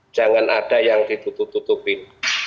jangan ada yang ditutupin